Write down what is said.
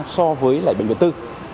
so với lại bệnh viện tư